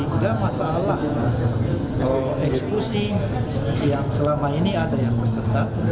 tiga masalah eksekusi yang selama ini ada yang tersendat